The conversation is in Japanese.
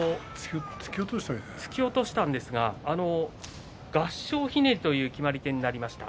突き落としたんじゃ合掌ひねりという決まり手になりました。